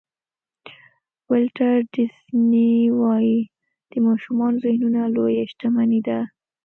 ولټر ډیسني وایي د ماشومانو ذهنونه لویه شتمني ده.